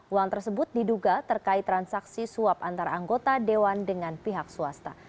uang tersebut diduga terkait transaksi suap antara anggota dewan dengan pihak swasta